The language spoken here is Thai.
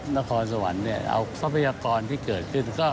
นครสวรรค์เนี่ยเอาทรัพยากรที่เกิดขึ้น